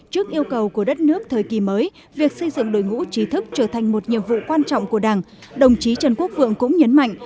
trước yêu cầu của đất nước thời kỳ mới việc xây dựng đội ngũ trí thức trở thành một nhiệm vụ quan trọng của đảng đồng chí trần quốc vượng cũng nhấn mạnh